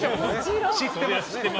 知ってます。